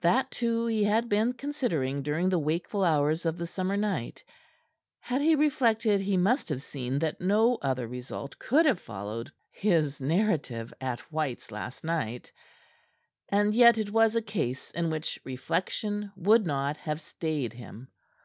That, too, he had been considering during the wakeful hours of that summer night. Had he reflected he must have seen that no other result could have followed his narrative at White's last night; and yet it was a case in which reflection would not have stayed him.